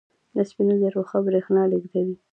د سپینو زرو ښه برېښنا لېږدوي.